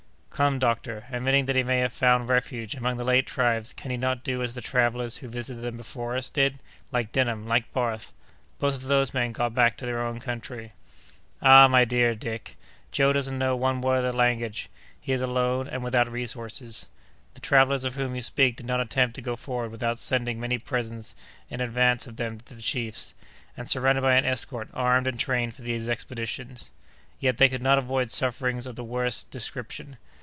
"Come, doctor, admitting that he may have found refuge among the lake tribes, can he not do as the travellers who visited them before us, did;—like Denham, like Barth? Both of those men got back to their own country." "Ah! my dear Dick! Joe doesn't know one word of the language; he is alone, and without resources. The travellers of whom you speak did not attempt to go forward without sending many presents in advance of them to the chiefs, and surrounded by an escort armed and trained for these expeditions. Yet, they could not avoid sufferings of the worst description!